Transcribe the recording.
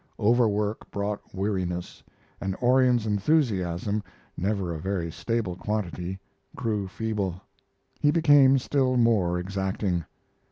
Overwork brought weariness, and Orion's enthusiasm, never a very stable quantity, grew feeble. He became still more exacting.